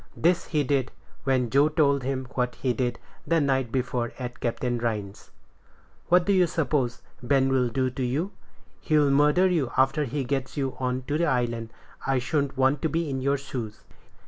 This he did, when Joe told him what he did the night before at Captain Rhines's. "What do you suppose Ben'll do to you? He'll murder you after he gets you on to the island. I shouldn't want to be in your shoes."